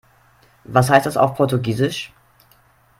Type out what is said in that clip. Was heißt das auf Portugiesisch?